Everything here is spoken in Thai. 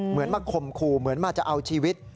เหมือนมาข่มขู่เหมือนมาจะเอาชีวิต